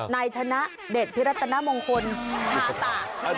ในชนะเดชธิรัตนมงคลชาตา